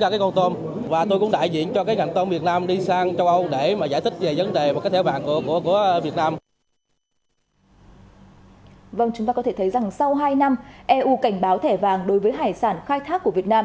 vâng chúng ta có thể thấy rằng sau hai năm eu cảnh báo thẻ vàng đối với hải sản khai thác của việt nam